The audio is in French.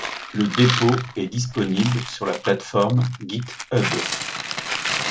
Le dépôt est disponible sur la plateforme GitHub.